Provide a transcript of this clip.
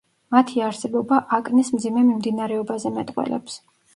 მათი არსებობა აკნეს მძიმე მიმდინარეობაზე მეტყველებს.